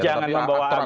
jangan membawa agama